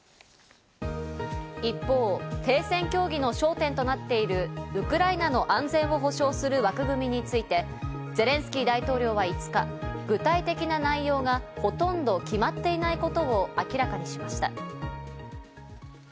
一方、停戦協議の焦点となっているウクライナの安全を保証する枠組みについてゼレンスキー大統領は５日、具体的な内容がほとんど決まっていないことを明らかにしました。